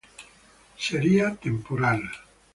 Serie temporal